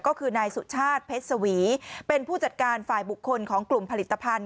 ก็คือนายสุชาติเพชรสวีเป็นผู้จัดการฝ่ายบุคคลของกลุ่มผลิตภัณฑ